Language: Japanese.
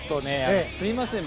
すみません。